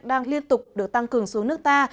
đang liên tục được tăng cường xuống nước ta